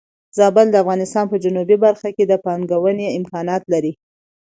زابل د افغانستان په جنوبی برخه کې د پانګونې امکانات لري.